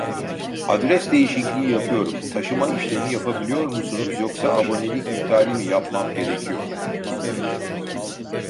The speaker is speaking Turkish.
Adres değişikliği yapıyorum taşıma işlemi yapabiliyor musunuz yoksa abonelik iptali mi yapmam gerekiyor